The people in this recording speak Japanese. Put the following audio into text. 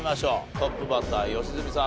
トップバッター良純さん